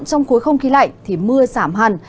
trong khối không khí lạnh thì mưa giảm hẳn